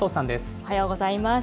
おはようございます。